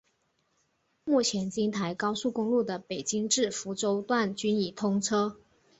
目前京台高速公路的北京至福州段均已通车。